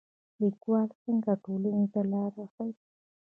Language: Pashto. لیکوال څنګه ټولنې ته لار ښيي؟